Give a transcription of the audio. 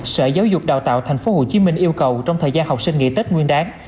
sở giáo dục đào tạo tp hcm yêu cầu trong thời gian học sinh nghỉ tết nguyên đáng